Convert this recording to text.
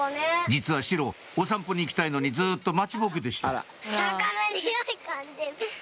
実はシロお散歩に行きたいのにずっと待ちぼうけでしたさかなのにおいかいでる。